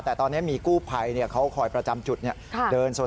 แต่ตอนนี้มีกู้ไภเขาคอยประจำจุดเดินสดค่ะ